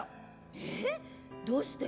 えっどうして！？